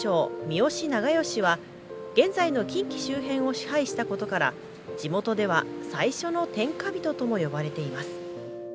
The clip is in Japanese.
三好長慶は現在の近畿周辺を支配したことから地元では最初の天下人とも呼ばれています。